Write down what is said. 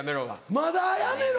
まだ「やめろ」？